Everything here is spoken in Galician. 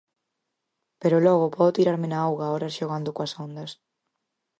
Pero logo podo tirarme na auga horas xogando coas ondas.